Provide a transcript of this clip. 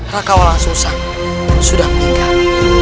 raka walau susu sudah meninggal